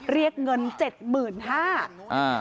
เรียกเงิน๗๕๐๐บาท